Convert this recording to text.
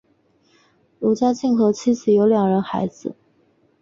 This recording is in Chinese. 卢家进和妻子有两人孩子。